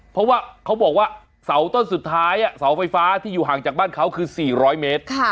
เพราะว่าเขาบอกว่าเสาต้นสุดท้ายเสาไฟฟ้าที่อยู่ห่างจากบ้านเขาคือ๔๐๐เมตร